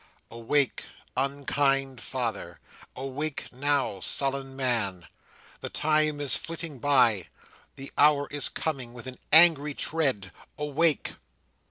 Awake, unkind father! Awake, now, sullen man! The time is flitting by; the hour is coming with an angry tread. Awake!